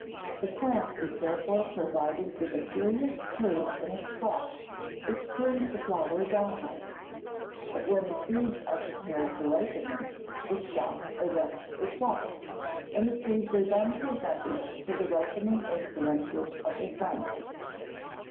The plant is therefore provided with a curious curve in its stalk, which turns the flower downward. But when the seeds are prepared for ripening, the stalk erects itself, and the seeds are then presented to the ripening influences of the sun.